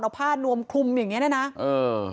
เอาผ้านวมคลุมอย่างเงี้เนี่ยนะเออ